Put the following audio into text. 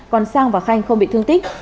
còn sang và khanh không bị thương tích